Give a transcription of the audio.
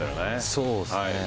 そうですね。